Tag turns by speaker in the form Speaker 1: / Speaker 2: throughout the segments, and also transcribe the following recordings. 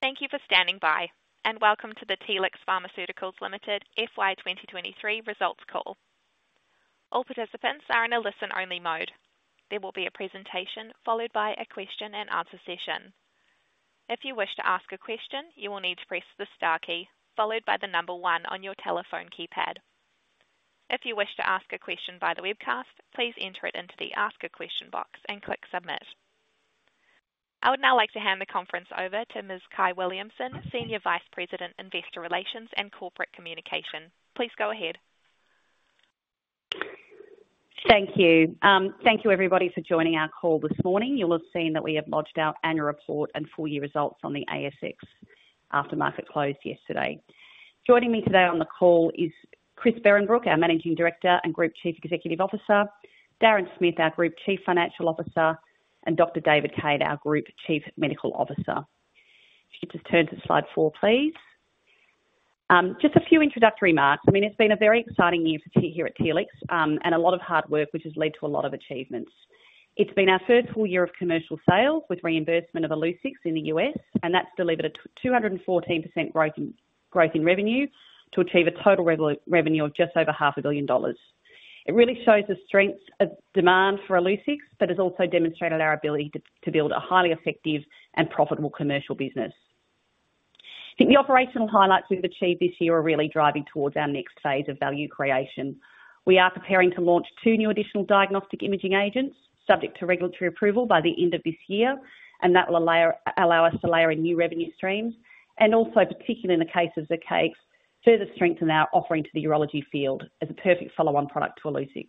Speaker 1: Thank you for standing by, and welcome to the Telix Pharmaceuticals Limited FY 2023 results call. All participants are in a listen-only mode. There will be a presentation followed by a question and answer session. If you wish to ask a question, you will need to press the star key, followed by the number one on your telephone keypad. If you wish to ask a question via the webcast, please enter it into the Ask a Question box and click Submit. I would now like to hand the conference over to Ms. Kyahn Williamson, Senior Vice President, Investor Relations and Corporate Communication. Please go ahead.
Speaker 2: Thank you. Thank you, everybody, for joining our call this morning. You'll have seen that we have lodged our annual report and full year results on the ASX after market closed yesterday. Joining me today on the call is Christian Behrenbruch, our Managing Director and Group Chief Executive Officer, Darren Smith, our Group Chief Financial Officer, and Dr. David Cade, our Group Chief Medical Officer. If you just turn to slide four, please. Just a few introductory remarks. I mean, it's been a very exciting year for team here at Telix, and a lot of hard work, which has led to a lot of achievements. It's been our first full year of commercial sales with reimbursement of Illuccix in the U.S., and that's delivered a 214% growth in, growth in revenue to achieve a total revenue of just over $500 million. It really shows the strength of demand for Illuccix, but has also demonstrated our ability to build a highly effective and profitable commercial business. I think the operational highlights we've achieved this year are really driving towards our next phase of value creation. We are preparing to launch two new additional diagnostic imaging agents, subject to regulatory approval by the end of this year, and that will allow us to layer in new revenue streams and also, particularly in the case of Zircaix, further strengthen our offering to the urology field as a perfect follow-on product to Illuccix.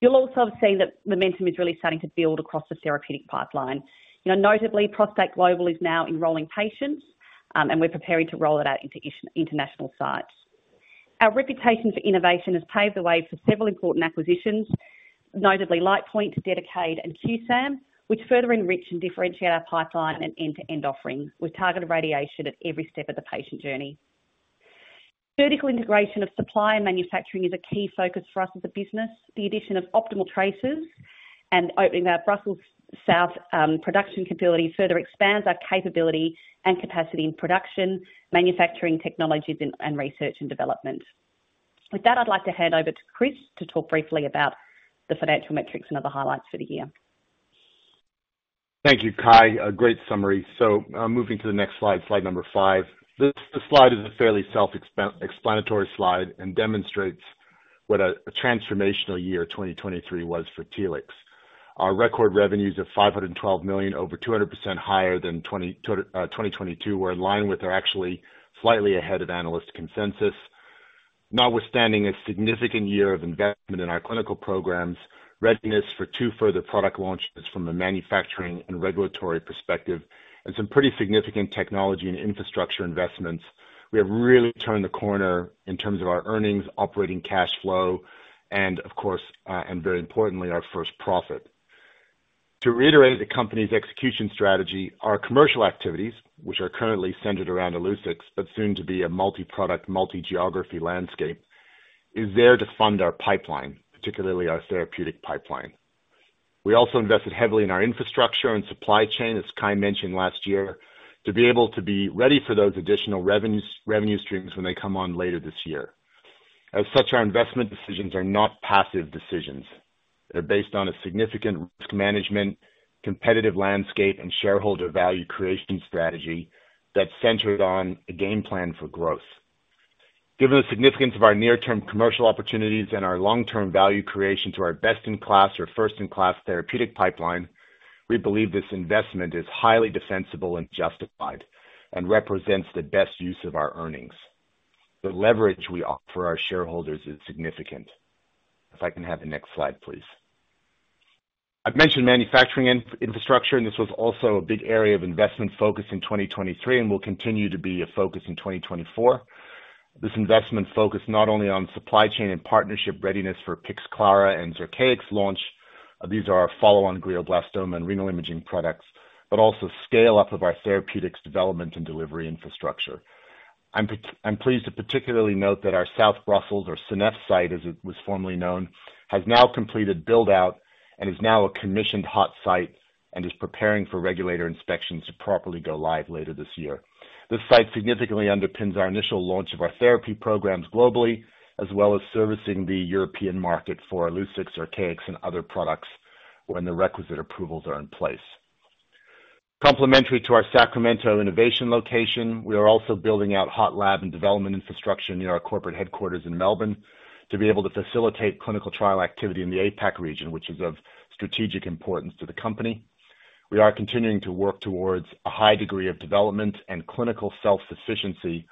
Speaker 2: You'll also have seen that momentum is really starting to build across the therapeutic pipeline. You know, notably, ProstACT Global is now enrolling patients, and we're preparing to roll it out into international sites. Our reputation for innovation has paved the way for several important acquisitions, notably Lightpoint, Dedicaid, and QSAM, which further enrich and differentiate our pipeline and end-to-end offerings. We target radiation at every step of the patient journey. Vertical integration of supply and manufacturing is a key focus for us as a business. The addition of Optimal Tracers and opening our Brussels South production capability further expands our capability and capacity in production, manufacturing technologies, and research and development. With that, I'd like to hand over to Chris to talk briefly about the financial metrics and other highlights for the year.
Speaker 3: Thank you, Kyahn. A great summary. So, moving to the next slide, slide five. This slide is a fairly self-explanatory slide and demonstrates what a transformational year 2023 was for Telix. Our record revenues of 512 million, over 200% higher than 2022, were in line with or actually slightly ahead of analyst consensus. Notwithstanding a significant year of investment in our clinical programs, readiness for two further product launches from a manufacturing and regulatory perspective, and some pretty significant technology and infrastructure investments, we have really turned the corner in terms of our earnings, operating cash flow, and of course, and very importantly, our first profit. To reiterate the company's execution strategy, our commercial activities, which are currently centered around Illuccix, but soon to be a multi-product, multi-geography landscape, is there to fund our pipeline, particularly our therapeutic pipeline. We also invested heavily in our infrastructure and supply chain, as Kyahn mentioned last year, to be able to be ready for those additional revenues, revenue streams when they come on later this year. As such, our investment decisions are not passive decisions. They're based on a significant risk management, competitive landscape, and shareholder value creation strategy that's centered on a game plan for growth. Given the significance of our near-term commercial opportunities and our long-term value creation to our best-in-class or first-in-class therapeutic pipeline, we believe this investment is highly defensible and justified, and represents the best use of our earnings. The leverage we offer our shareholders is significant. If I can have the next slide, please. I've mentioned manufacturing infrastructure, and this was also a big area of investment focus in 2023 and will continue to be a focus in 2024. This investment focused not only on supply chain and partnership readiness for Pixclara and Zircaix launch, these are our follow-on glioblastoma and renal imaging products, but also scale up of our therapeutics development and delivery infrastructure. I'm pleased to particularly note that our Brussels South or Seneffe site, as it was formerly known, has now completed build-out and is now a commissioned hot site and is preparing for regulator inspections to properly go live later this year. This site significantly underpins our initial launch of our therapy programs globally, as well as servicing the European market for Illuccix, Zircaix, and other products when the requisite approvals are in place. Complementary to our Sacramento innovation location, we are also building out hot lab and development infrastructure near our corporate headquarters in Melbourne to be able to facilitate clinical trial activity in the APAC region, which is of strategic importance to the company. We are continuing to work towards a high degree of development and clinical self-sufficiency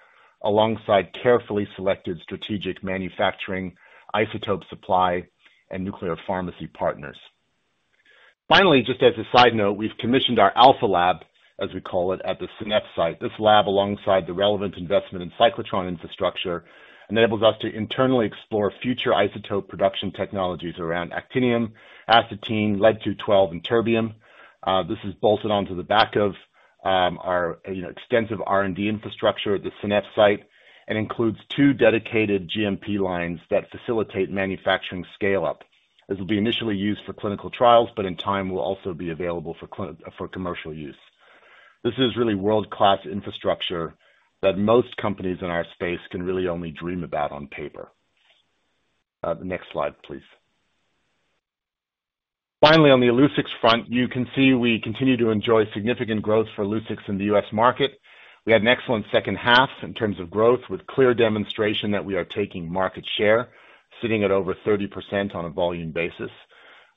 Speaker 3: alongside carefully selected strategic manufacturing, isotope supply, and nuclear pharmacy partners. Finally, just as a side note, we've commissioned our AlphaLab, as we call it, at the Seneffe site. This lab, alongside the relevant investment in cyclotron infrastructure, enables us to internally explore future isotope production technologies around actinium, astatine, lead-212, and terbium. This is bolted onto the back of our, you know, extensive R&D infrastructure at the Seneffe site and includes two dedicated GMP lines that facilitate manufacturing scale-up.... This will be initially used for clinical trials, but in time will also be available for commercial use. This is really world-class infrastructure that most companies in our space can really only dream about on paper. The next slide, please. Finally, on the Illuccix front, you can see we continue to enjoy significant growth for Illuccix in the U.S. market. We had an excellent second half in terms of growth, with clear demonstration that we are taking market share, sitting at over 30% on a volume basis.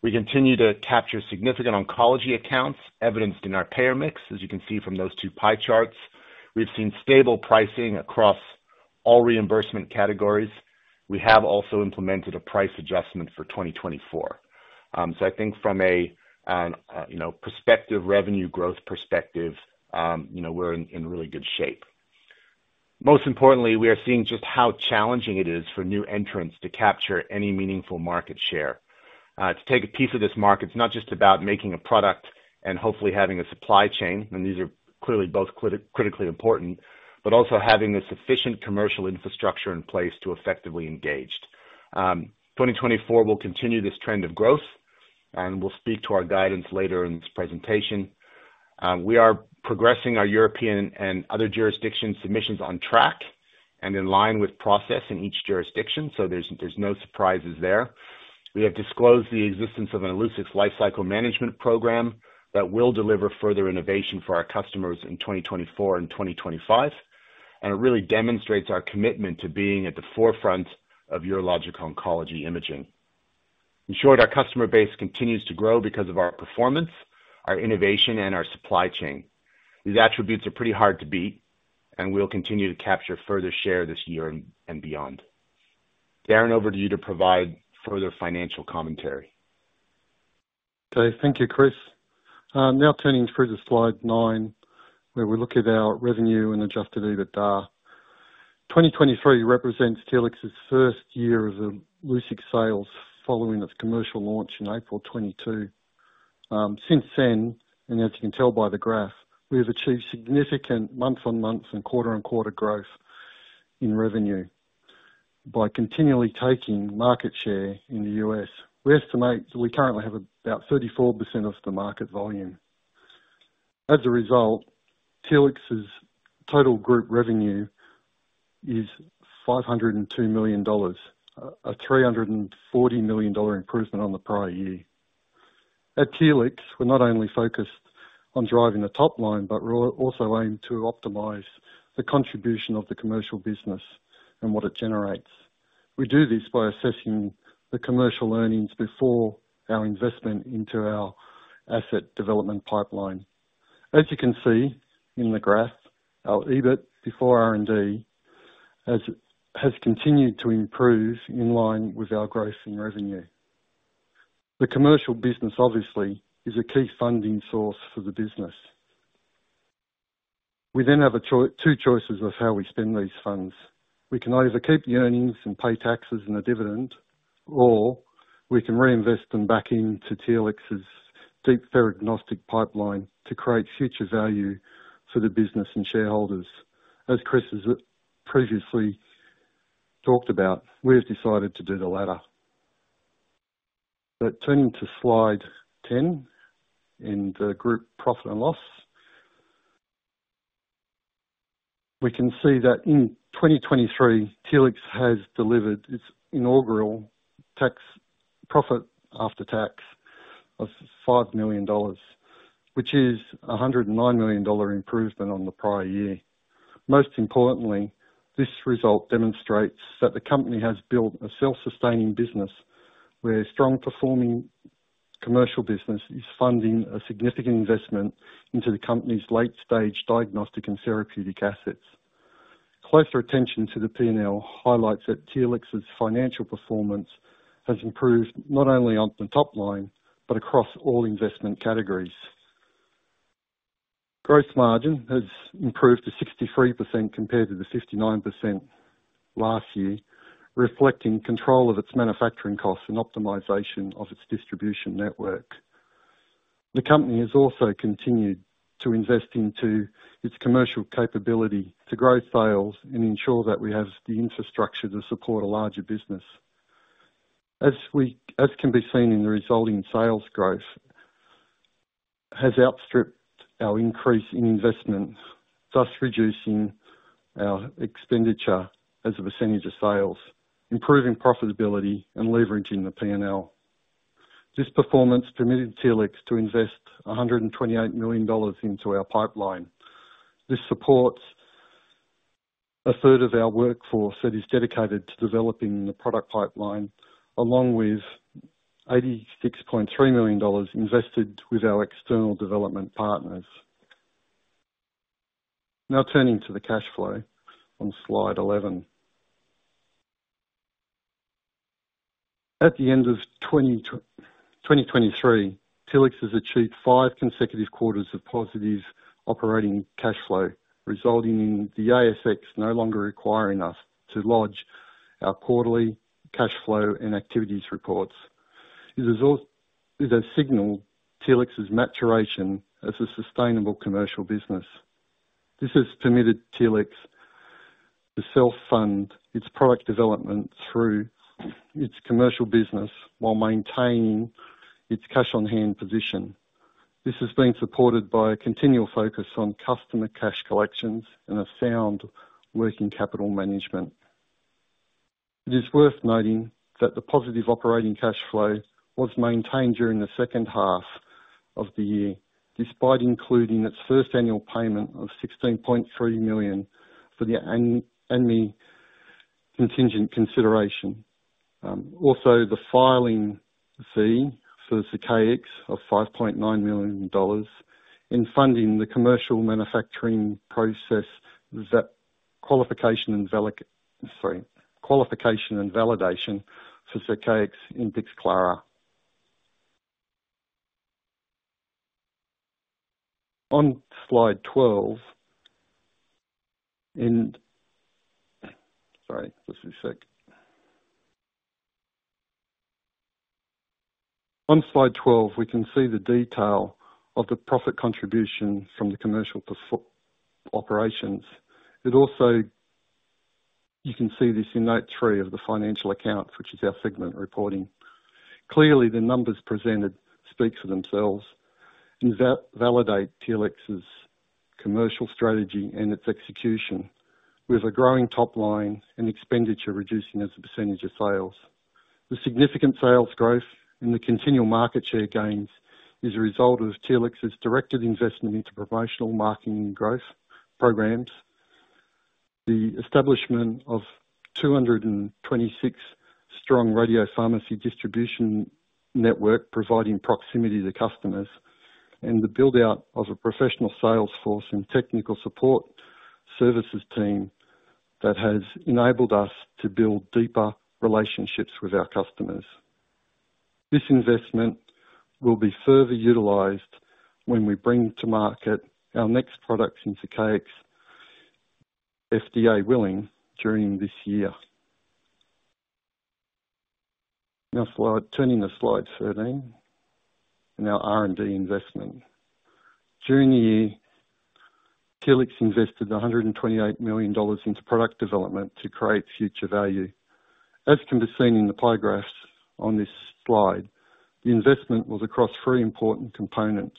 Speaker 3: We continue to capture significant oncology accounts, evidenced in our payer mix, as you can see from those two pie charts. We've seen stable pricing across all reimbursement categories. We have also implemented a price adjustment for 2024. So I think from a, you know, perspective, revenue growth perspective, you know, we're in, in really good shape. Most importantly, we are seeing just how challenging it is for new entrants to capture any meaningful market share. To take a piece of this market, it's not just about making a product and hopefully having a supply chain, and these are clearly both critically important, but also having the sufficient commercial infrastructure in place to effectively engage. 2024 will continue this trend of growth, and we'll speak to our guidance later in this presentation. We are progressing our European and other jurisdiction submissions on track and in line with process in each jurisdiction, so there's, there's no surprises there. We have disclosed the existence of an Illuccix lifecycle management program that will deliver further innovation for our customers in 2024 and 2025, and it really demonstrates our commitment to being at the forefront of urologic oncology imaging. In short, our customer base continues to grow because of our performance, our innovation, and our supply chain. These attributes are pretty hard to beat, and we'll continue to capture further share this year and beyond. Darren, over to you to provide further financial commentary.
Speaker 4: Okay. Thank you, Chris. Now turning through to slide nine, where we look at our revenue and Adjusted EBITDA. 2023 represents Telix's first year of Illuccix sales following its commercial launch in April 2022. Since then, and as you can tell by the graph, we have achieved significant month-over-month and quarter-over-quarter growth in revenue. By continually taking market share in the U.S., we estimate that we currently have about 34% of the market volume. As a result, Telix's total group revenue is $502 million, a $340 million improvement on the prior year. At Telix, we're not only focused on driving the top line, but we're also aimed to optimize the contribution of the commercial business and what it generates. We do this by assessing the commercial earnings before our investment into our asset development pipeline. As you can see in the graph, our EBIT before R&D has continued to improve in line with our growth in revenue. The commercial business, obviously, is a key funding source for the business. We then have two choices of how we spend these funds. We can either keep the earnings and pay taxes and a dividend, or we can reinvest them back into Telix's deep therapeutic pipeline to create future value for the business and shareholders. As Chris has previously talked about, we have decided to do the latter. Turning to slide 10, in the group profit and loss, we can see that in 2023, Telix has delivered its inaugural net profit after tax of 5 million dollars, which is an 109 million dollar improvement on the prior year. Most importantly, this result demonstrates that the company has built a self-sustaining business, where strong performing commercial business is funding a significant investment into the company's late-stage diagnostic and therapeutic assets. Closer attention to the P&L highlights that Telix's financial performance has improved not only on the top line, but across all investment categories. Gross margin has improved to 63% compared to the 59% last year, reflecting control of its manufacturing costs and optimization of its distribution network. The company has also continued to invest into its commercial capability to grow sales and ensure that we have the infrastructure to support a larger business. As can be seen in the resulting sales growth, has outstripped our increase in investment, thus reducing our expenditure as a percentage of sales, improving profitability and leveraging the P&L. This performance permitted Telix to invest 128 million dollars into our pipeline. This supports a third of our workforce that is dedicated to developing the product pipeline, along with 86.3 million dollars invested with our external development partners. Now turning to the cash flow on slide 11. At the end of 2023, Telix has achieved five consecutive quarters of positive operating cash flow, resulting in the ASX no longer requiring us to lodge our quarterly cash flow and activities reports. This is a signal Telix's maturation as a sustainable commercial business. This has permitted Telix to self-fund its product development through its commercial business while maintaining its cash on hand position. This has been supported by a continual focus on customer cash collections and a sound working capital management. It is worth noting that the positive operating cash flow was maintained during the second half of the year, despite including its first annual payment of 16.3 million for the annual contingent consideration. Also, the filing fee for the Illuccix of $5.9 million, and funding the commercial manufacturing process, that qualification and validation for Illuccix and Pixclara. On slide 12, we can see the detail of the profit contribution from the commercial operations. It also, you can see this in note three of the financial accounts, which is our segment reporting. Clearly, the numbers presented speak for themselves and validate Telix's commercial strategy and its execution, with a growing top line and expenditure reducing as a percentage of sales. The significant sales growth and the continual market share gains is a result of Telix's directed investment into promotional marketing and growth programs, the establishment of 226-strong radiopharmacy distribution network, providing proximity to customers, and the build-out of a professional sales force and technical support services team that has enabled us to build deeper relationships with our customers. This investment will be further utilized when we bring to market our next product in Zircaix, FDA willing, during this year. Now, turning to slide 13, in our R&D investment. During the year, Telix invested $128 million into product development to create future value. As can be seen in the pie graphs on this slide, the investment was across three important components.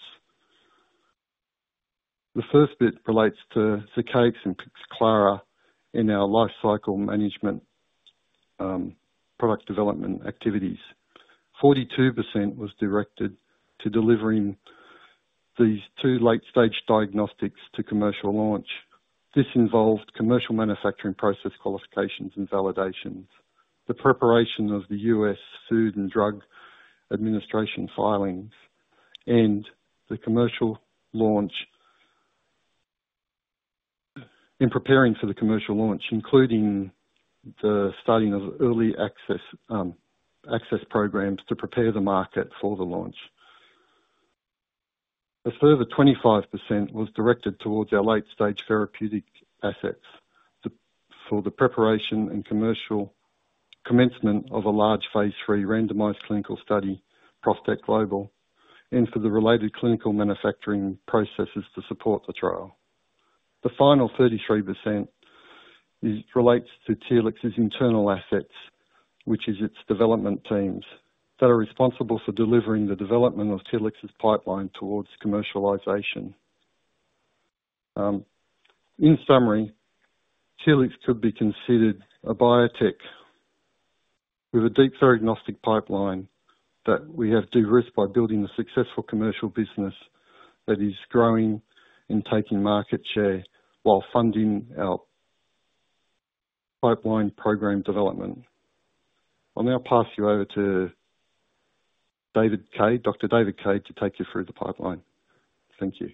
Speaker 4: The first bit relates to Zircaix and Pixclara in our lifecycle management, product development activities. 42% was directed to delivering these two late-stage diagnostics to commercial launch. This involved commercial manufacturing, process qualifications and validations, the preparation of the U.S. Food and Drug Administration filings, and the commercial launch. In preparing for the commercial launch, including the starting of early access, access programs to prepare the market for the launch. A further 25% was directed towards our late-stage therapeutic assets, for the preparation and commercial commencement of a large phase III randomized clinical study, ProstACT Global, and for the related clinical manufacturing processes to support the trial. The final 33% is, relates to Telix's internal assets, which is its development teams that are responsible for delivering the development of Telix's pipeline towards commercialization. In summary, Telix could be considered a biotech with a deep diagnostic pipeline that we have de-risked by building a successful commercial business that is growing and taking market share while funding our pipeline program development. I'll now pass you over to David Cade, Dr. David Cade, to take you through the pipeline. Thank you.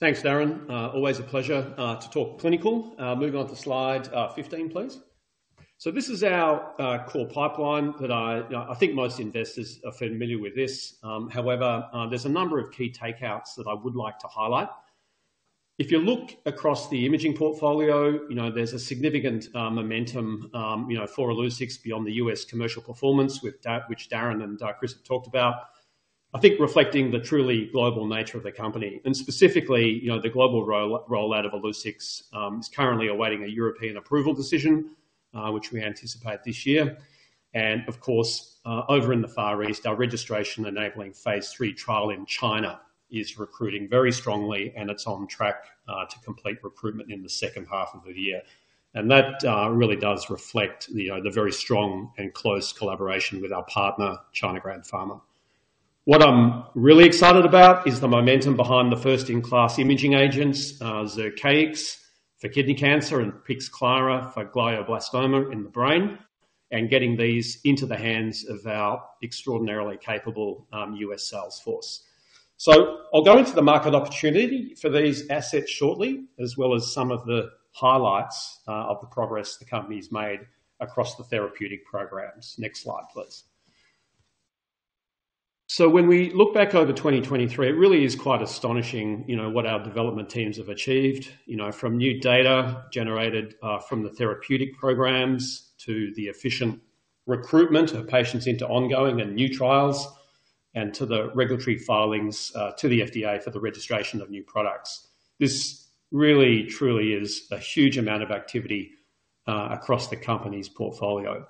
Speaker 5: Thanks, Darren. Always a pleasure to talk clinical. Moving on to slide 15, please. So this is our core pipeline that I think most investors are familiar with this. However, there's a number of key takeouts that I would like to highlight. If you look across the imaging portfolio, you know, there's a significant momentum, you know, for Illuccix beyond the U.S. commercial performance with that, which Darren and Chris have talked about. I think reflecting the truly global nature of the company, and specifically, you know, the global rollout of Illuccix, is currently awaiting a European approval decision, which we anticipate this year. And of course, over in the Far East, our registration-enabling phase III trial in China is recruiting very strongly, and it's on track to complete recruitment in the second half of the year. And that really does reflect the very strong and close collaboration with our partner, China Grand Pharma. What I'm really excited about is the momentum behind the first-in-class imaging agents, Zircaix for kidney cancer and Pixclara for glioblastoma in the brain, and getting these into the hands of our extraordinarily capable U.S. sales force. So I'll go into the market opportunity for these assets shortly, as well as some of the highlights of the progress the company's made across the therapeutic programs. Next slide, please. So when we look back over 2023, it really is quite astonishing, you know, what our development teams have achieved. You know, from new data generated from the therapeutic programs to the efficient recruitment of patients into ongoing and new trials and to the regulatory filings to the FDA for the registration of new products. This really truly is a huge amount of activity across the company's portfolio.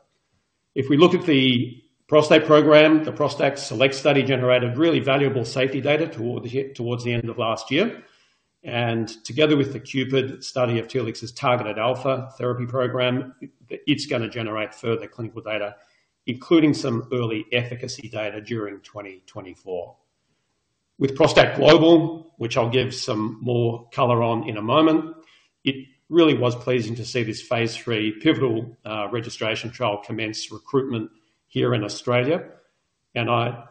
Speaker 5: If we look at the prostate program, the ProstACT SELECT study generated really valuable safety data toward the, towards the end of last year, and together with the CUPID study of Telix's targeted alpha therapy program, it's gonna generate further clinical data, including some early efficacy data during 2024. With ProstACT Global, which I'll give some more color on in a moment, it really was pleasing to see this phase III pivotal registration trial commence recruitment here in Australia, and I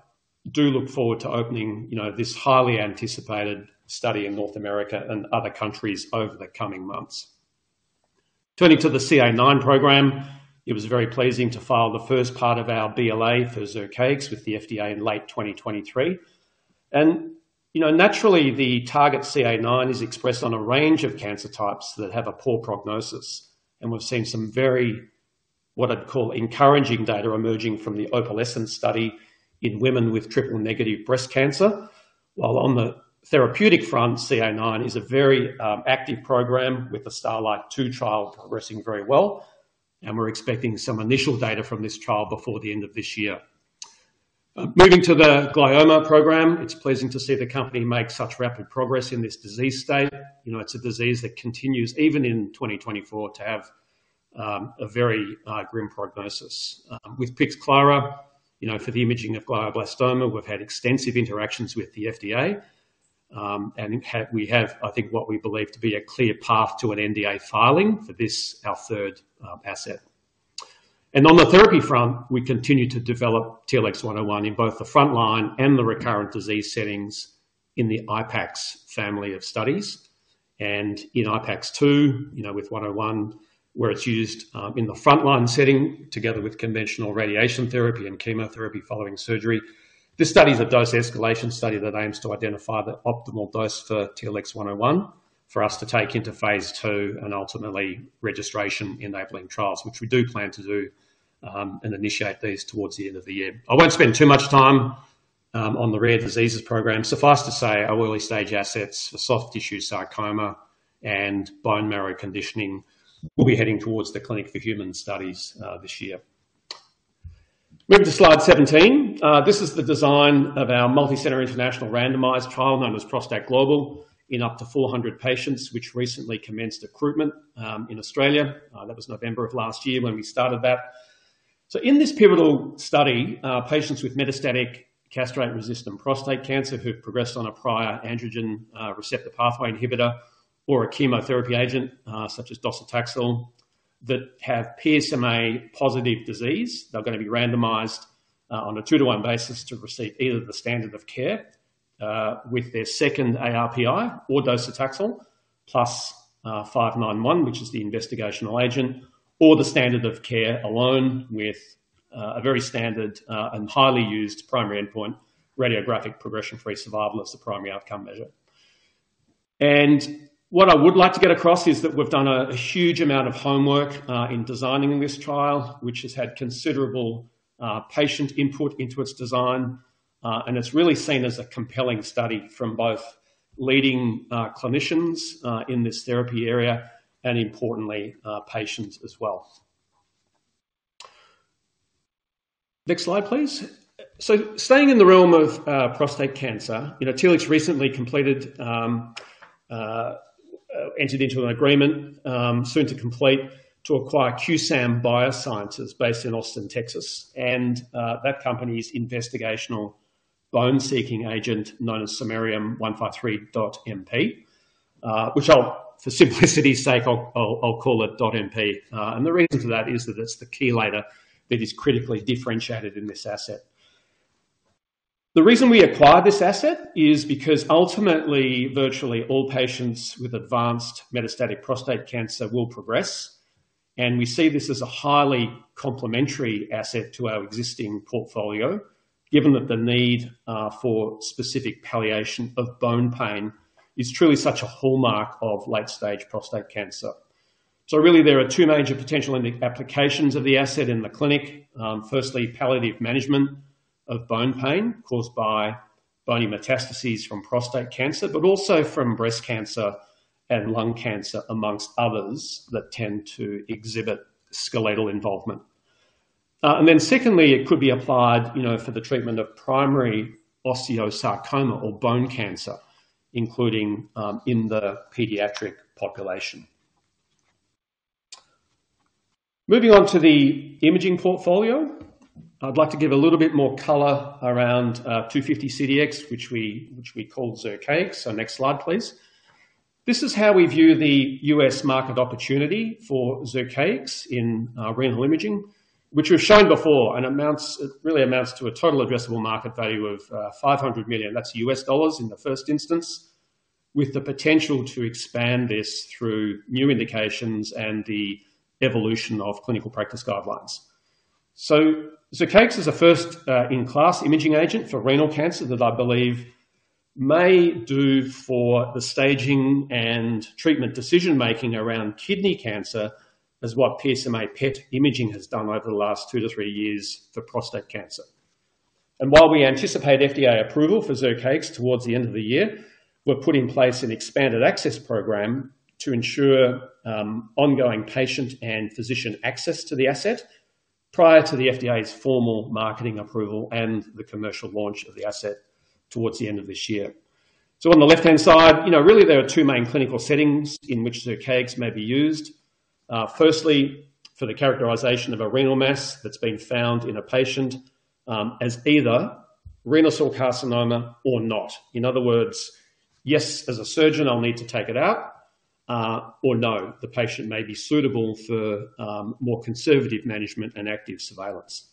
Speaker 5: do look forward to opening, you know, this highly anticipated study in North America and other countries over the coming months. Turning to the CAIX program, it was very pleasing to file the first part of our BLA for Zircaix with the FDA in late 2023. You know, naturally, the target CAIX is expressed on a range of cancer types that have a poor prognosis, and we've seen some very, what I'd call encouraging data emerging from the OPALESCENCE study in women with triple-negative breast cancer. While on the therapeutic front, CAIX is a very active program, with the STARLITE-2 trial progressing very well, and we're expecting some initial data from this trial before the end of this year. Moving to the glioma program, it's pleasing to see the company make such rapid progress in this disease state. You know, it's a disease that continues, even in 2024, to have a very grim prognosis. With Pixclara, you know, for the imaging of glioblastoma, we've had extensive interactions with the FDA, and we have, I think, what we believe to be a clear path to an NDA filing for this, our third asset. On the therapy front, we continue to develop TLX101 in both the front line and the recurrent disease settings in the IPAX family of studies, and in IPAX-2, you know, with 101, where it's used in the front-line setting together with conventional radiation therapy and chemotherapy following surgery. This study is a dose-escalation study that aims to identify the optimal dose for TLX101 for us to take into phase II and ultimately registration-enabling trials, which we do plan to do, and initiate these towards the end of the year. I won't spend too much time on the rare diseases program. Suffice to say, our early-stage assets for soft tissue sarcoma and bone marrow conditioning will be heading towards the clinic for human studies this year. Moving to slide 17. This is the design of our multicenter international randomized trial, known as ProstACT Global, in up to 400 patients, which recently commenced recruitment in Australia. That was November of last year when we started that. So in this pivotal study, patients with metastatic castrate-resistant prostate cancer who've progressed on a prior androgen receptor pathway inhibitor or a chemotherapy agent, such as docetaxel, that have PSMA-positive disease. They're gonna be randomized on a two-to-one basis to receive either the standard of care with their second ARPI or docetaxel, plus TLX591, which is the investigational agent, or the standard of care alone with a very standard and highly used primary endpoint, radiographic progression-free survival. That's the primary outcome measure. And what I would like to get across is that we've done a huge amount of homework in designing this trial, which has had considerable patient input into its design, and it's really seen as a compelling study from both leading clinicians in this therapy area and importantly, patients as well. Next slide, please. So staying in the realm of prostate cancer, you know, Telix recently entered into an agreement soon to complete, to acquire QSAM Biosciences, based in Austin, Texas, and that company's investigational bone-seeking agent, known as Samarium-153-DOTMP, which I'll, for simplicity's sake, call it DOTMP. And the reason for that is that it's the chelator that is critically differentiated in this asset. The reason we acquired this asset is because ultimately, virtually all patients with advanced metastatic prostate cancer will progress, and we see this as a highly complementary asset to our existing portfolio, given that the need for specific palliation of bone pain is truly such a hallmark of late-stage prostate cancer. So really, there are two major potential end applications of the asset in the clinic. Firstly, palliative management of bone pain caused by bony metastases from prostate cancer, but also from breast cancer and lung cancer, among others, that tend to exhibit skeletal involvement. And then secondly, it could be applied, you know, for the treatment of primary osteosarcoma or bone cancer, including in the pediatric population. Moving on to the imaging portfolio. I'd like to give a little bit more color around TLX250-CDx, which we call Zircaix. Next slide, please. This is how we view the U.S. market opportunity for Zircaix in renal imaging, which we've shown before and it really amounts to a total addressable market value of $500 million. That's U.S. dollars in the first instance, with the potential to expand this through new indications and the evolution of clinical practice guidelines. Zircaix is a first-in-class imaging agent for renal cancer that I believe may do for the staging and treatment decision-making around kidney cancer, as what PSMA-PET imaging has done over the last two to three years for prostate cancer. While we anticipate FDA approval for Zircaix towards the end of the year, we're putting in place an expanded access program to ensure ongoing patient and physician access to the asset prior to the FDA's formal marketing approval and the commercial launch of the asset towards the end of this year. So on the left-hand side, you know, really, there are two main clinical settings in which Zircaix may be used. Firstly, for the characterization of a renal mass that's been found in a patient, as either renal cell carcinoma or not. In other words, yes, as a surgeon, I'll need to take it out, or no, the patient may be suitable for more conservative management and active surveillance.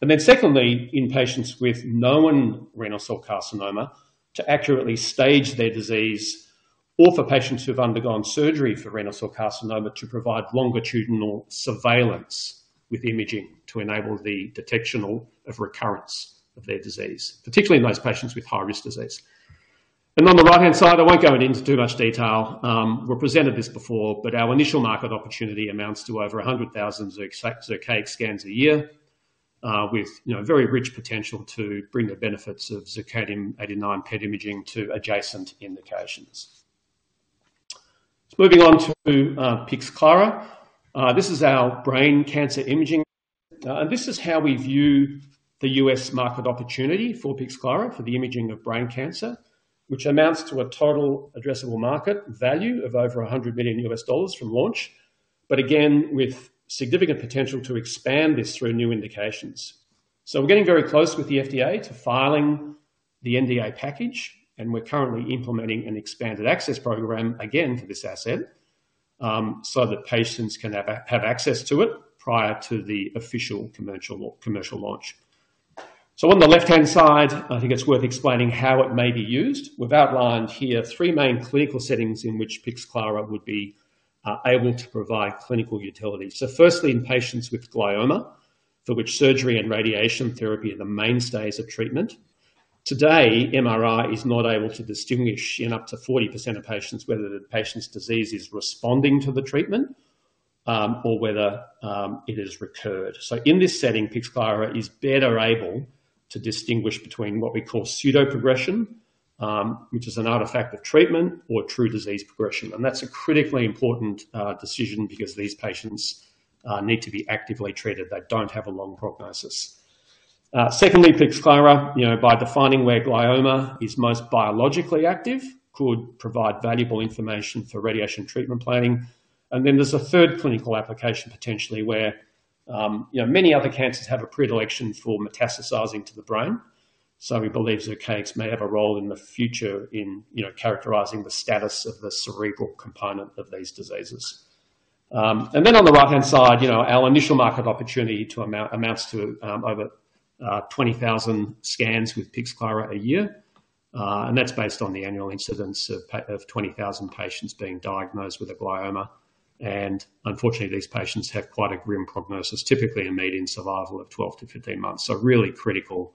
Speaker 5: And then secondly, in patients with known renal cell carcinoma, to accurately stage their disease, or for patients who've undergone surgery for renal cell carcinoma to provide longitudinal surveillance with imaging to enable the detection of recurrence of their disease, particularly in those patients with high-risk disease. And on the right-hand side, I won't go into too much detail, we've presented this before, but our initial market opportunity amounts to over 100,000 Zircaix scans a year, with, you know, very rich potential to bring the benefits of zirconium-89 PET imaging to adjacent indications. Moving on to Pixclara. This is our brain cancer imaging, and this is how we view the U.S. market opportunity for Pixclara for the imaging of brain cancer, which amounts to a total addressable market value of over $100 million from launch, but again, with significant potential to expand this through new indications. So we're getting very close with the FDA to filing the NDA package, and we're currently implementing an expanded access program again for this asset, so that patients can have access to it prior to the official commercial launch. So on the left-hand side, I think it's worth explaining how it may be used. We've outlined here three main clinical settings in which Pixclara would be able to provide clinical utility. So firstly, in patients with glioma, for which surgery and radiation therapy are the mainstays of treatment. Today, MRI is not able to distinguish in up to 40% of patients whether the patient's disease is responding to the treatment or whether it has recurred. So in this setting, Pixclara is better able to distinguish between what we call pseudoprogression, which is an artifact of treatment or true disease progression. And that's a critically important decision because these patients need to be actively treated. They don't have a long prognosis. Secondly, Pixclara, you know, by defining where glioma is most biologically active, could provide valuable information for radiation treatment planning. And then there's a third clinical application, potentially, where, you know, many other cancers have a predilection for metastasizing to the brain. So we believe Pixclara may have a role in the future in, you know, characterizing the status of the cerebral component of these diseases. And then on the right-hand side, you know, our initial market opportunity amounts to over 20,000 scans with Pixclara a year, and that's based on the annual incidence of 20,000 patients being diagnosed with a glioma. And unfortunately, these patients have quite a grim prognosis, typically a median survival of 12-15 months. So really critical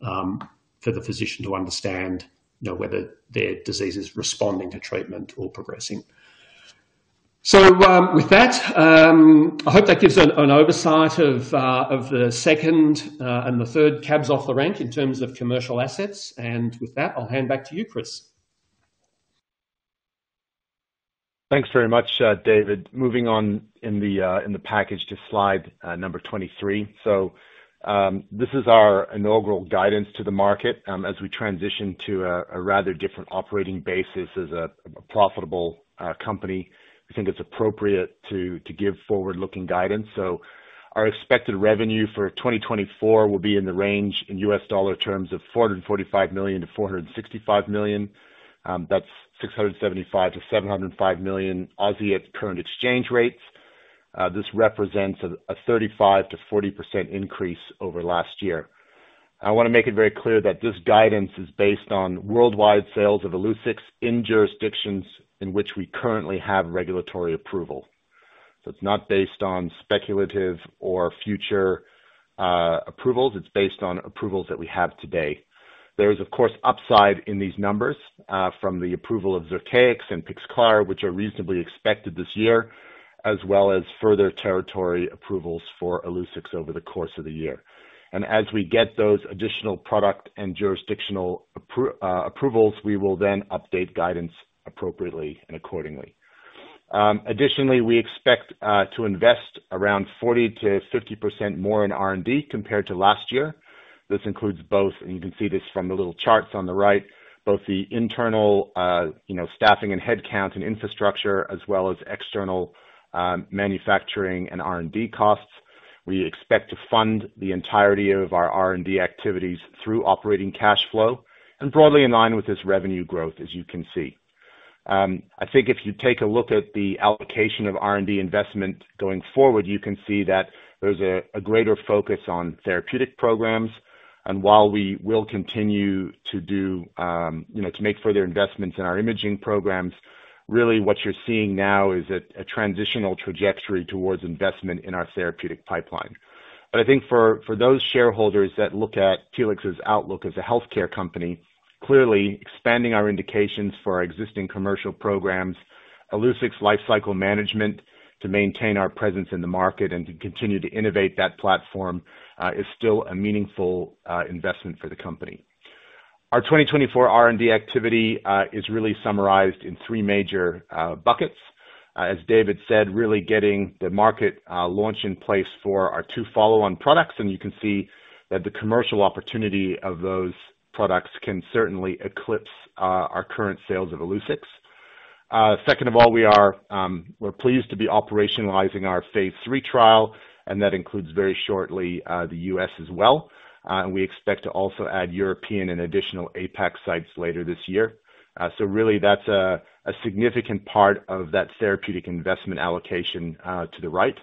Speaker 5: for the physician to understand, you know, whether their disease is responding to treatment or progressing. So, with that, I hope that gives an oversight of the second and the third cabs off the rank in terms of commercial assets. And with that, I'll hand back to you, Chris.
Speaker 3: Thanks very much, David. Moving on in the package to slide number 23. So, this is our inaugural guidance to the market, as we transition to a rather different operating basis as a profitable company. We think it's appropriate to give forward-looking guidance. So our expected revenue for 2024 will be in the range in U.S. dollar terms of $445 million-$465 million. That's 675 million-705 million at current exchange rates. This represents a 35%-40% increase over last year. I wanna make it very clear that this guidance is based on worldwide sales of Illuccix in jurisdictions in which we currently have regulatory approval. So it's not based on speculative or future approvals, it's based on approvals that we have today. There is, of course, upside in these numbers from the approval of Zircaix and Pixclara, which are reasonably expected this year, as well as further territory approvals for Illuccix over the course of the year. And as we get those additional product and jurisdictional approvals, we will then update guidance appropriately and accordingly. Additionally, we expect to invest around 40%-50% more in R&D compared to last year. This includes both, and you can see this from the little charts on the right, both the internal, you know, staffing and headcount and infrastructure, as well as external manufacturing and R&D costs. We expect to fund the entirety of our R&D activities through operating cash flow and broadly in line with this revenue growth, as you can see. I think if you take a look at the allocation of R&D investment going forward, you can see that there's a greater focus on therapeutic programs, and while we will continue to do, you know, to make further investments in our imaging programs. Really what you're seeing now is a transitional trajectory towards investment in our therapeutic pipeline. But I think for those shareholders that look at Telix's outlook as a healthcare company, clearly expanding our indications for our existing commercial programs, Illuccix's lifecycle management to maintain our presence in the market and to continue to innovate that platform, is still a meaningful investment for the company. Our 2024 R&D activity is really summarized in three major buckets. As David said, really getting the market launch in place for our two follow-on products, and you can see that the commercial opportunity of those products can certainly eclipse our current sales of Illuccix. Second of all, we are, we're pleased to be operationalizing our phase III trial, and that includes very shortly the U.S. as well. And we expect to also add European and additional APAC sites later this year. So really, that's a significant part of that therapeutic investment allocation to the right.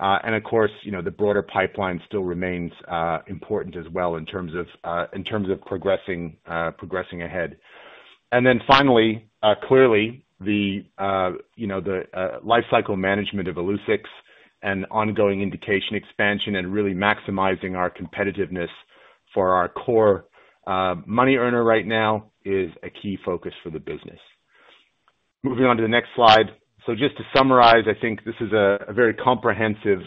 Speaker 3: And of course, you know, the broader pipeline still remains important as well in terms of in terms of progressing progressing ahead. And then finally, clearly the you know the lifecycle management of Illuccix and ongoing indication expansion and really maximizing our competitiveness for our core money earner right now is a key focus for the business. Moving on to the next slide. So just to summarize, I think this is a very comprehensive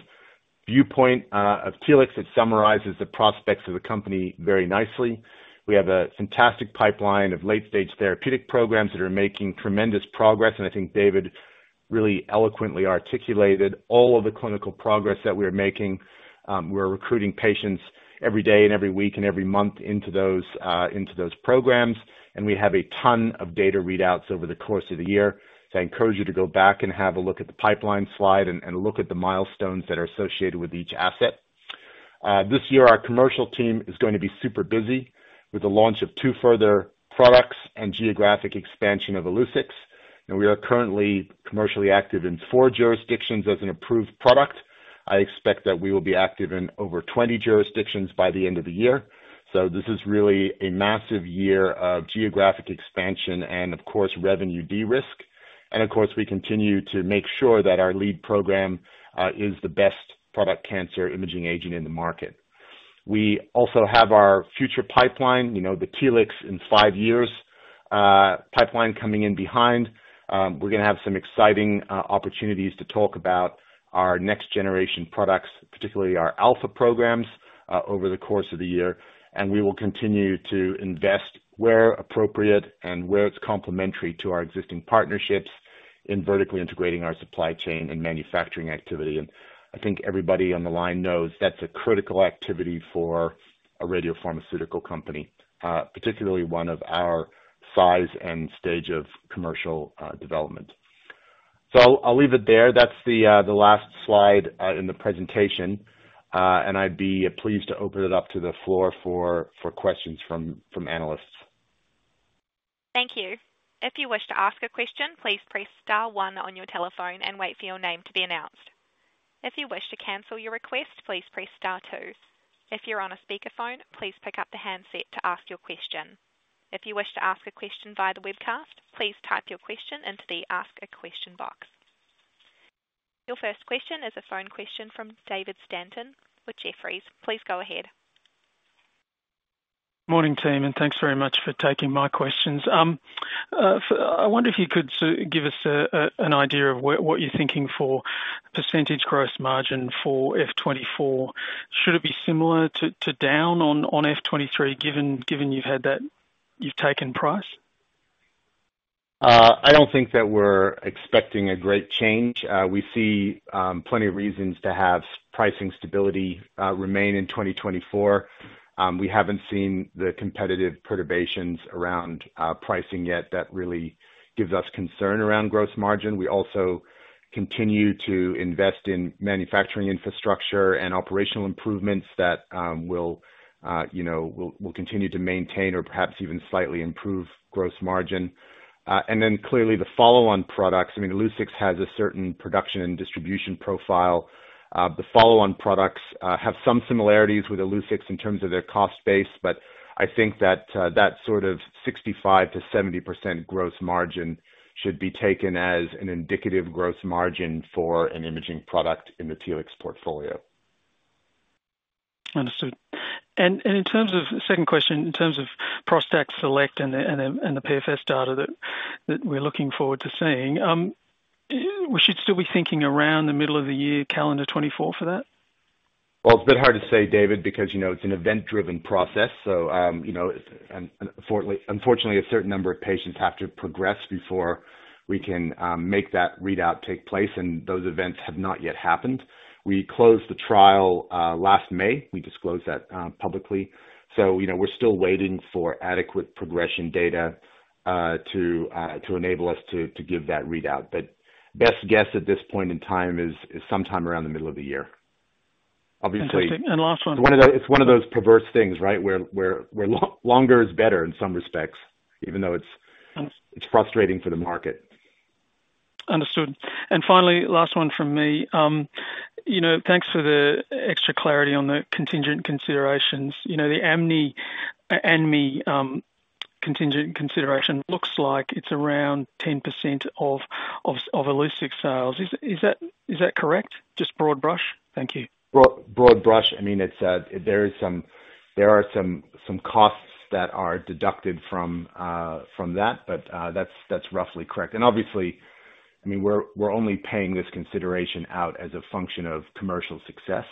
Speaker 3: viewpoint of Telix. It summarizes the prospects of the company very nicely. We have a fantastic pipeline of late-stage therapeutic programs that are making tremendous progress, and I think David really eloquently articulated all of the clinical progress that we are making. We're recruiting patients every day and every week, and every month into those into those programs, and we have a ton of data readouts over the course of the year. So I encourage you to go back and have a look at the pipeline slide and, and look at the milestones that are associated with each asset. This year, our commercial team is going to be super busy with the launch of two further products and geographic expansion of Illuccix. And we are currently commercially active in four jurisdictions as an approved product. I expect that we will be active in over twenty jurisdictions by the end of the year. So this is really a massive year of geographic expansion and, of course, revenue de-risk. And of course, we continue to make sure that our lead program is the best prostate cancer imaging agent in the market. We also have our future pipeline, you know, the Telix in five years, pipeline coming in behind. We're gonna have some exciting opportunities to talk about our next generation products, particularly our alpha programs, over the course of the year, and we will continue to invest where appropriate and where it's complementary to our existing partnerships in vertically integrating our supply chain and manufacturing activity. And I think everybody on the line knows that's a critical activity for a radiopharmaceutical company, particularly one of our size and stage of commercial development. So I'll leave it there. That's the last slide in the presentation. And I'd be pleased to open it up to the floor for questions from analysts.
Speaker 1: Thank you. If you wish to ask a question, please press star one on your telephone and wait for your name to be announced. If you wish to cancel your request, please press star two. If you're on a speakerphone, please pick up the handset to ask your question. If you wish to ask a question via the webcast, please type your question into the Ask a Question box. Your first question is a phone question from David Stanton with Jefferies. Please go ahead.
Speaker 6: Morning, team, and thanks very much for taking my questions. I wonder if you could give us an idea of where, what you're thinking for percentage gross margin for F 2024. Should it be similar to down on F 2023, given you've had that... You've taken price?
Speaker 3: I don't think that we're expecting a great change. We see plenty of reasons to have pricing stability remain in 2024. We haven't seen the competitive perturbations around pricing yet that really gives us concern around gross margin. We also continue to invest in manufacturing infrastructure and operational improvements that will, you know, continue to maintain or perhaps even slightly improve gross margin. And then clearly the follow-on products, I mean, Illuccix has a certain production and distribution profile. The follow-on products have some similarities with Illuccix in terms of their cost base, but I think that that sort of 65%-70% gross margin should be taken as an indicative gross margin for an imaging product in the Telix portfolio.
Speaker 6: Understood. In terms of... Second question, in terms of ProstACT SELECT and the PFS data that we're looking forward to seeing, we should still be thinking around the middle of the year, calendar 2024, for that?
Speaker 3: Well, it's a bit hard to say, David, because, you know, it's an event-driven process, so, you know, and unfortunately, a certain number of patients have to progress before we can make that readout take place, and those events have not yet happened. We closed the trial last May. We disclosed that publicly. So, you know, we're still waiting for adequate progression data to enable us to give that readout. But best guess at this point in time is sometime around the middle of the year. Obviously-
Speaker 6: Interesting. And last one-
Speaker 3: It's one of those perverse things, right? Where longer is better in some respects, even though it's-
Speaker 6: Understood.
Speaker 3: It's frustrating for the market....
Speaker 6: Understood. And finally, last one from me. You know, thanks for the extra clarity on the contingent considerations. You know, the ANMI contingent consideration looks like it's around 10% of Illuccix sales. Is that correct? Just broad brush. Thank you.
Speaker 3: Broad brush. I mean, it's, there is some—there are some costs that are deducted from, from that, but, that's, that's roughly correct. And obviously, I mean, we're only paying this consideration out as a function of commercial success.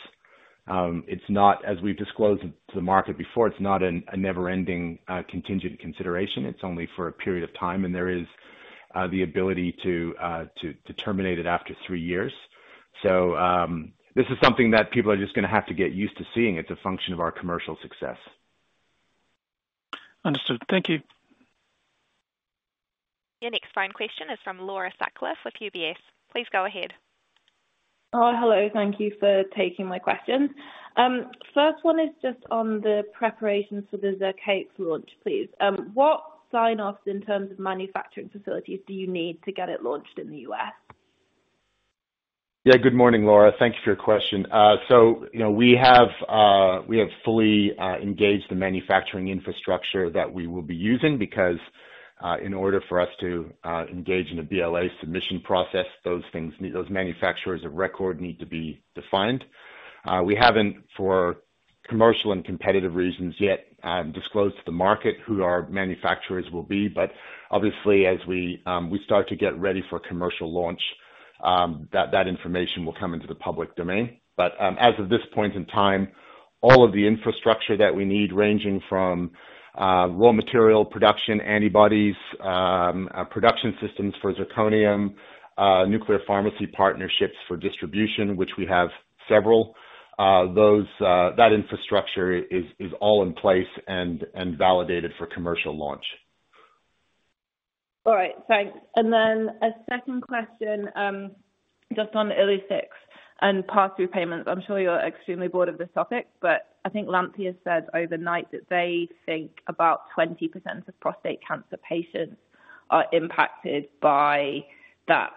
Speaker 3: It's not, as we've disclosed to the market before, it's not a never-ending contingent consideration. It's only for a period of time, and there is the ability to terminate it after three years. So, this is something that people are just gonna have to get used to seeing. It's a function of our commercial success.
Speaker 6: Understood. Thank you.
Speaker 1: Your next phone question is from Laura Sutcliffe with UBS. Please go ahead.
Speaker 7: Hello, thank you for taking my questions. First one is just on the preparations for the Zircaix launch, please. What sign-offs in terms of manufacturing facilities do you need to get it launched in the U.S.?
Speaker 3: Yeah. Good morning, Laura. Thank you for your question. So, you know, we have fully engaged the manufacturing infrastructure that we will be using because, in order for us to engage in a BLA submission process, those things need... Those manufacturers of record need to be defined. We haven't, for commercial and competitive reasons yet, disclosed to the market who our manufacturers will be, but obviously as we start to get ready for commercial launch, that information will come into the public domain. But, as of this point in time, all of the infrastructure that we need, ranging from raw material production, antibodies, production systems for zirconium, nuclear pharmacy partnerships for distribution, which we have several, that infrastructure is all in place and validated for commercial launch.
Speaker 7: All right, thanks. And then a second question, just on Illuccix and Pass-Through payments. I'm sure you're extremely bored of this topic, but I think Lantheus said overnight that they think about 20% of prostate cancer patients are impacted by that,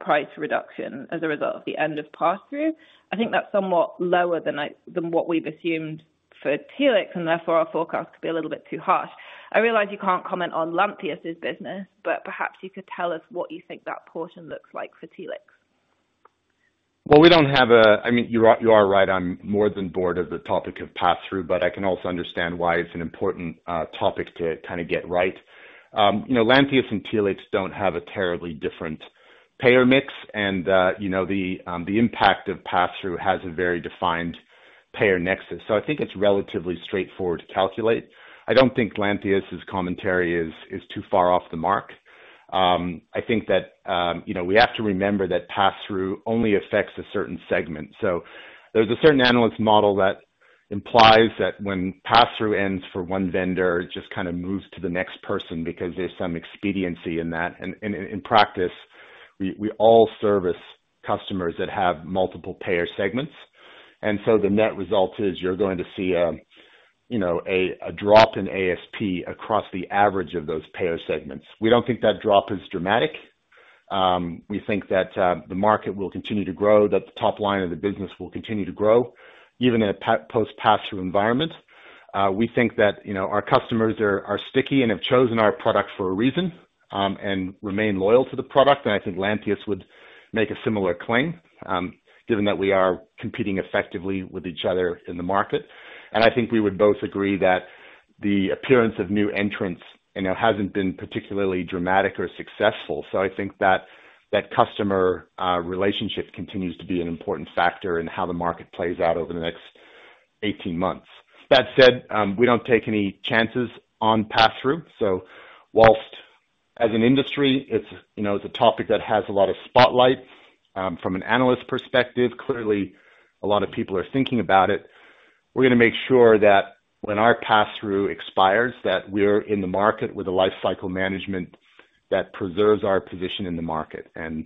Speaker 7: price reduction as a result of the end of Pass-Through. I think that's somewhat lower than I, than what we've assumed for Telix, and therefore our forecast could be a little bit too harsh. I realize you can't comment on Lantheus's business, but perhaps you could tell us what you think that portion looks like for Telix.
Speaker 3: Well, we don't have... I mean, you are, you are right. I'm more than bored of the topic of passthrough, but I can also understand why it's an important topic to kinda get right. You know, Lantheus and Telix don't have a terribly different payer mix, and, you know, the, the impact of passthrough has a very defined payer nexus. So I think it's relatively straightforward to calculate. I don't think Lantheus's commentary is too far off the mark. I think that, you know, we have to remember that passthrough only affects a certain segment. So there's a certain analyst model that implies that when passthrough ends for one vendor, it just kind of moves to the next person because there's some expediency in that. In practice, we all service customers that have multiple payer segments, and so the net result is you're going to see a, you know, a drop in ASP across the average of those payer segments. We don't think that drop is dramatic. We think that the market will continue to grow, that the top line of the business will continue to grow, even in a post passthrough environment. We think that, you know, our customers are sticky and have chosen our products for a reason, and remain loyal to the product. And I think Lantheus would make a similar claim, given that we are competing effectively with each other in the market. And I think we would both agree that the appearance of new entrants, you know, hasn't been particularly dramatic or successful. So I think that customer relationship continues to be an important factor in how the market plays out over the next 18 months. That said, we don't take any chances on passthrough, so while as an industry, it's, you know, it's a topic that has a lot of spotlights from an analyst perspective, clearly a lot of people are thinking about it. We're gonna make sure that when our passthrough expires, that we're in the market with a lifecycle management that preserves our position in the market. And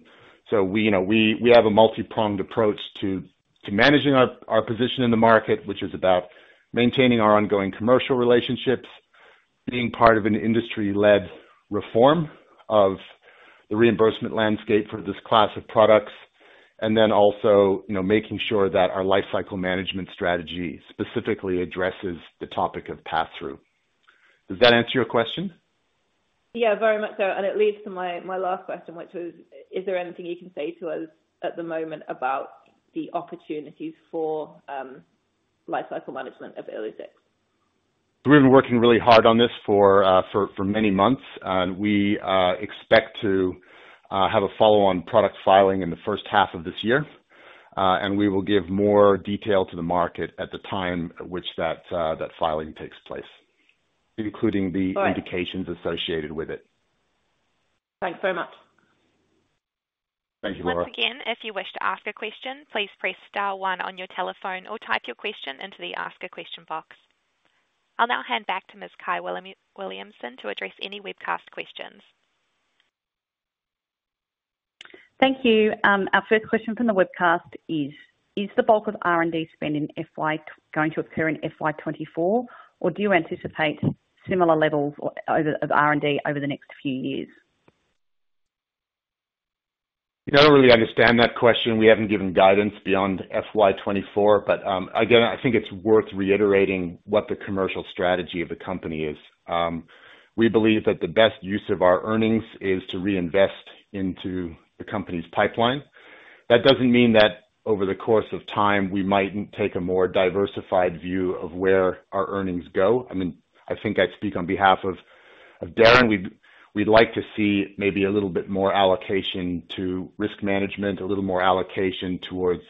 Speaker 3: so we, you know, have a multipronged approach to managing our position in the market, which is about maintaining our ongoing commercial relationships, being part of an industry-led reform of the reimbursement landscape for this class of products, and then also, you know, making sure that our lifecycle management strategy specifically addresses the topic of passthrough. Does that answer your question?
Speaker 7: Yeah, very much so. And it leads to my last question, which is: Is there anything you can say to us at the moment about the opportunities for lifecycle management of Illuccix?
Speaker 3: We've been working really hard on this for many months, and we expect to have a follow-on product filing in the first half of this year. We will give more detail to the market at the time at which that filing takes place, including the-
Speaker 7: All right.
Speaker 3: indications associated with it.
Speaker 7: Thanks very much.
Speaker 3: Thank you, Laura.
Speaker 1: Once again, if you wish to ask a question, please press star one on your telephone or type your question into the Ask a Question box. I'll now hand back to Ms. Kyahn Williamson to address any webcast questions.
Speaker 2: Thank you. Our first question from the webcast is: Is the bulk of R&D spending in FY- going to occur in FY 2024, or do you anticipate similar levels or of R&D over the next few years?
Speaker 3: I don't really understand that question. We haven't given guidance beyond FY 2024, but again, I think it's worth reiterating what the commercial strategy of the company is. We believe that the best use of our earnings is to reinvest into the company's pipeline. That doesn't mean that over the course of time, we might take a more diversified view of where our earnings go. I mean, I think I'd speak on behalf of Darren. We'd like to see maybe a little bit more allocation to risk management, a little more allocation towards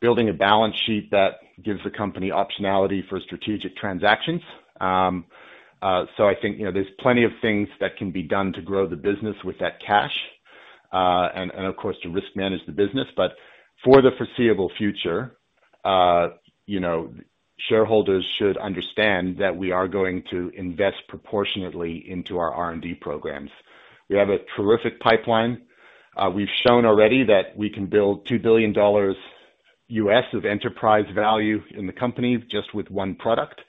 Speaker 3: building a balance sheet that gives the company optionality for strategic transactions. So I think, you know, there's plenty of things that can be done to grow the business with that cash, and of course, to risk manage the business. But for the foreseeable future, you know, shareholders should understand that we are going to invest proportionately into our R&D programs. We have a terrific pipeline. We've shown already that we can build $2 billion of enterprise value in the company just with one product.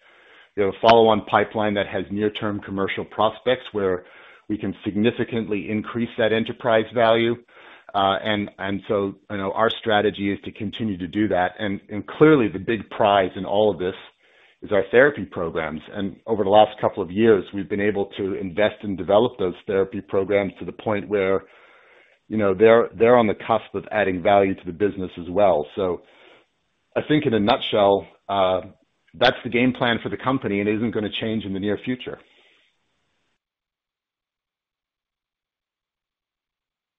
Speaker 3: We have a follow-on pipeline that has near-term commercial prospects, where we can significantly increase that enterprise value. And so, you know, our strategy is to continue to do that. And clearly, the big prize in all of this is our therapy programs, and over the last couple of years, we've been able to invest and develop those therapy programs to the point where, you know, they're on the cusp of adding value to the business as well. So I think in a nutshell, that's the game plan for the company, and isn't gonna change in the near future.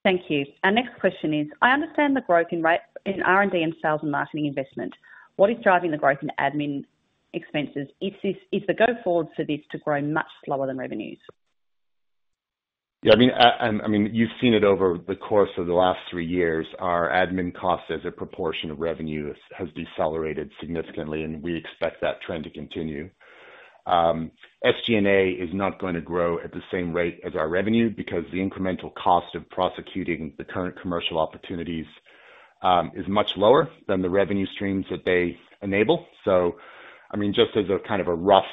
Speaker 2: Thank you. Our next question is: I understand the growth in R&D and sales and marketing investment. What is driving the growth in admin expenses? Is the go-forward for this to grow much slower than revenues?
Speaker 3: Yeah, I mean, and I mean, you've seen it over the course of the last three years. Our admin costs as a proportion of revenue has, has decelerated significantly, and we expect that trend to continue. SG&A is not going to grow at the same rate as our revenue, because the incremental cost of prosecuting the current commercial opportunities is much lower than the revenue streams that they enable. So, I mean, just as a kind of a rough,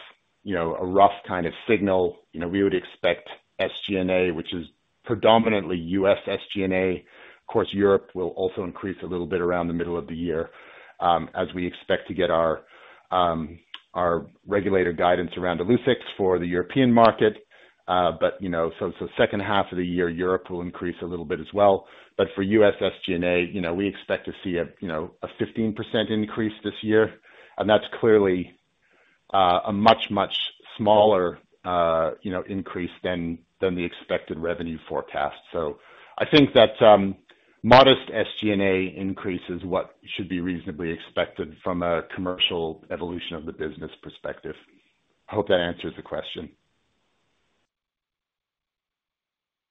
Speaker 3: you know, a rough kind of signal, you know, we would expect SG&A, which is predominantly U.S. SG&A. Of course, Europe will also increase a little bit around the middle of the year, as we expect to get our, our regulator guidance around Illuccix for the European market. But, you know, so second half of the year, Europe will increase a little bit as well. But for U.S. SG&A, you know, we expect to see, you know, a 15% increase this year, and that's clearly a much, much smaller, you know, increase than the expected revenue forecast. So I think that modest SG&A increase is what should be reasonably expected from a commercial evolution of the business perspective. Hope that answers the question.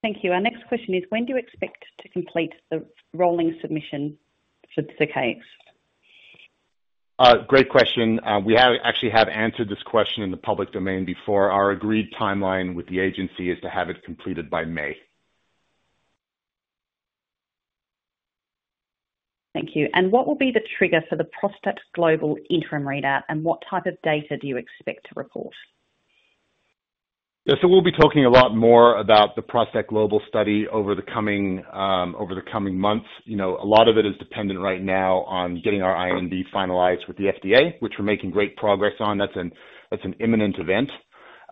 Speaker 2: Thank you. Our next question is: when do you expect to complete the rolling submission for the Zircaix?
Speaker 3: Great question. We actually have answered this question in the public domain before. Our agreed timeline with the agency is to have it completed by May.
Speaker 2: Thank you. And what will be the trigger for the ProstACT Global interim readout, and what type of data do you expect to report?
Speaker 3: Yeah, so we'll be talking a lot more about the ProstACT Global study over the coming, over the coming months. You know, a lot of it is dependent right now on getting our IND finalized with the FDA, which we're making great progress on. That's an imminent event.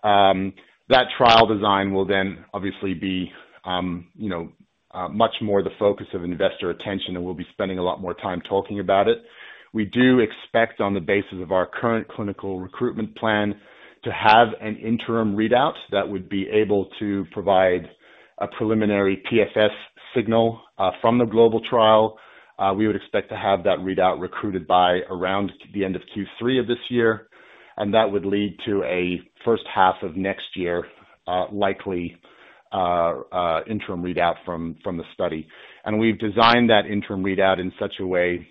Speaker 3: That trial design will then obviously be, you know, much more the focus of investor attention, and we'll be spending a lot more time talking about it. We do expect, on the basis of our current clinical recruitment plan, to have an interim readout that would be able to provide a preliminary PFS signal, from the global trial. We would expect to have that readout recruited by around the end of Q3 of this year, and that would lead to a first half of next year, likely, interim readout from the study. We've designed that interim readout in such a way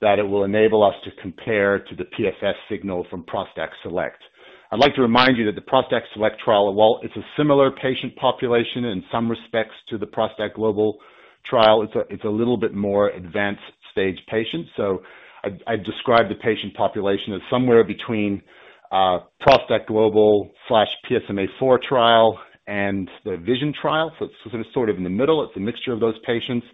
Speaker 3: that it will enable us to compare to the PFS signal from ProstACT SELECT. I'd like to remind you that the ProstACT SELECT trial, while it's a similar patient population in some respects to the ProstACT Global trial, it's a little bit more advanced stage patient. So I'd describe the patient population as somewhere between ProstACT Global slash PSMAfore trial and the VISION trial. So it's sort of in the middle. It's a mixture of those patients.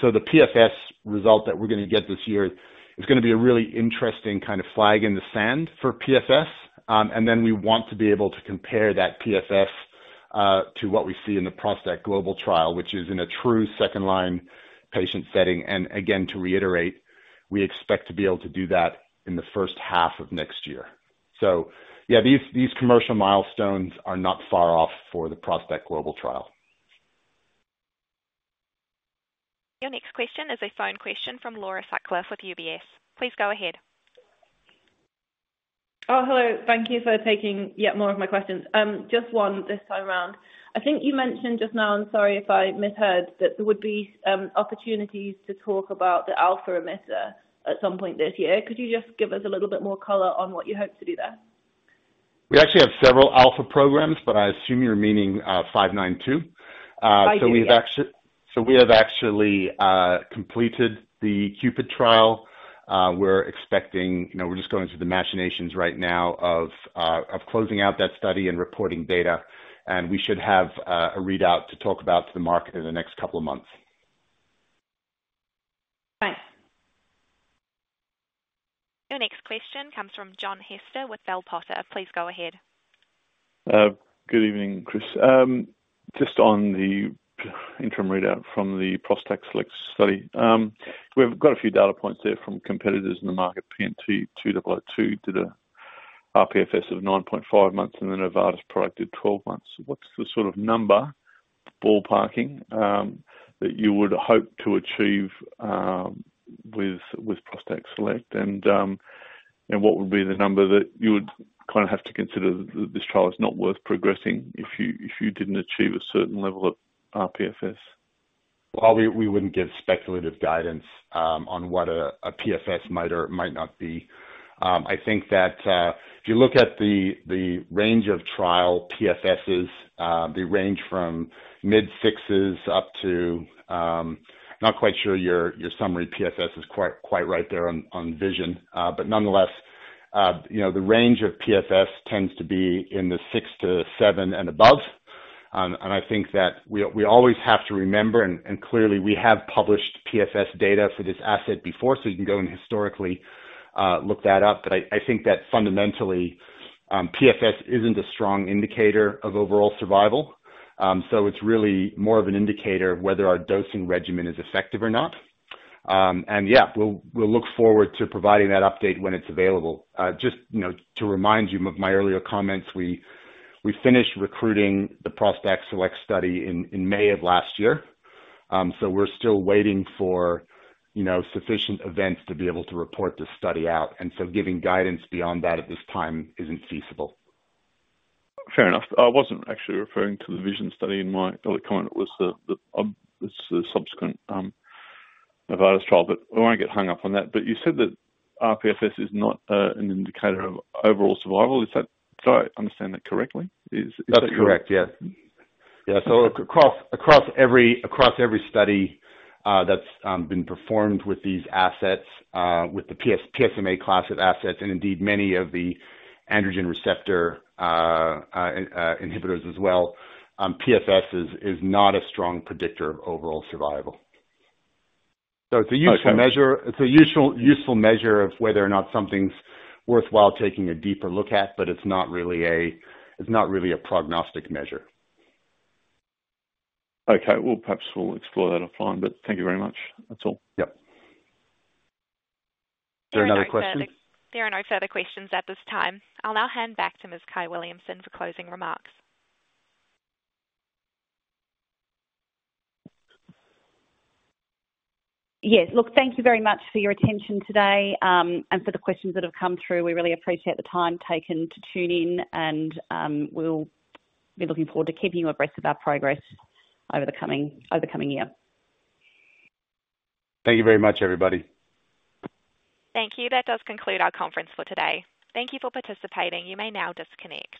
Speaker 3: So the PFS result that we're gonna get this year is gonna be a really interesting kind of flag in the sand for PFS. And then we want to be able to compare that PFS to what we see in the ProstACT Global Trial, which is in a true second-line patient setting. And again, to reiterate, we expect to be able to do that in the first half of next year. So yeah, these, these commercial milestones are not far off for the ProstACT Global Trial.
Speaker 1: Your next question is a phone question from Laura Sutcliffe with UBS. Please go ahead.
Speaker 7: Oh, hello, thank you for taking yet more of my questions. Just one this time around. I think you mentioned just now, and sorry if I misheard, that there would be opportunities to talk about the alpha emitter at some point this year. Could you just give us a little bit more color on what you hope to do there?
Speaker 3: We actually have several alpha programs, but I assume you're meaning, 592.
Speaker 7: I do, yeah.
Speaker 3: So we have actually completed the CUPID trial. We're expecting, you know, we're just going through the machinations right now of closing out that study and reporting data, and we should have a readout to talk about to the market in the next couple of months.
Speaker 2: Thanks.
Speaker 1: Your next question comes from John Hester with Bell Potter. Please go ahead.
Speaker 8: Good evening, Chris. Just on the interim readout from the ProstACT SELECT study. We've got a few data points there from competitors in the market, PNT2002 did a rPFS of 9.5 months, and the Novartis product did 12 months. What's the sort of number, ballparking, that you would hope to achieve, with ProstACT SELECT? And what would be the number that you kinda have to consider that this trial is not worth progressing if you didn't achieve a certain level of rPFS?
Speaker 3: Well, we wouldn't give speculative guidance on what a PFS might or might not be. I think that if you look at the range of trial PFSs, they range from mid-sixes up to... Not quite sure your summary PFS is quite right there on VISION. But nonetheless, you know, the range of PFS tends to be in the six to seven and above. And I think that we always have to remember, and clearly we have published PFS data for this asset before, so you can go and historically look that up. But I think that fundamentally, PFS isn't a strong indicator of overall survival. So it's really more of an indicator of whether our dosing regimen is effective or not. Yeah, we'll look forward to providing that update when it's available. Just, you know, to remind you of my earlier comments, we finished recruiting the ProstACT SELECT study in May of last year. So we're still waiting for, you know, sufficient events to be able to report this study out, and so giving guidance beyond that at this time isn't feasible.
Speaker 8: Fair enough. I wasn't actually referring to the VISION study in my earlier comment. It was the subsequent Novartis trial, but I won't get hung up on that. But you said that rPFS is not an indicator of overall survival. Is that... Did I understand that correctly? Is that-
Speaker 3: That's correct, yes. Yeah, so across every study that's been performed with these assets with the PSMA class of assets, and indeed many of the androgen receptor inhibitors as well, PFS is not a strong predictor of overall survival. So it's a useful measure-
Speaker 8: Okay.
Speaker 3: It's a useful, useful measure of whether or not something's worthwhile taking a deeper look at, but it's not really a prognostic measure.
Speaker 8: Okay. Well, perhaps we'll explore that offline, but thank you very much. That's all.
Speaker 3: Yep. Is there another question?
Speaker 1: There are no further questions at this time. I'll now hand back to Ms. Kyahn Williamson for closing remarks.
Speaker 2: Yes. Look, thank you very much for your attention today, and for the questions that have come through. We really appreciate the time taken to tune in, and we'll be looking forward to keeping you abreast of our progress over the coming year.
Speaker 3: Thank you very much, everybody.
Speaker 1: Thank you. That does conclude our conference for today. Thank you for participating. You may now disconnect.